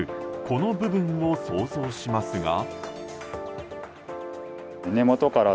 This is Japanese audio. この部分を想像しますが。